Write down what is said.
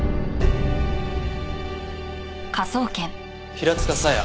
平塚沙耶。